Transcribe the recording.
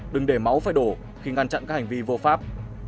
đừng để máu phải đổ khi ngăn chặn các hành vi vô pháp